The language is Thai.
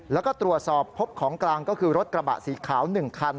แล้วก็ตรวจสอบพบของกลางก็คือรถกระบะสีขาว๑คัน